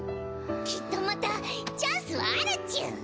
きっとまたチャンスはあるチュン。